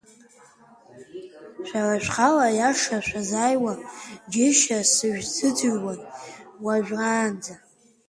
Шәара шәхала аиаша шәазааиуа џьышьа сышәзыӡырҩуан уажәраанӡа…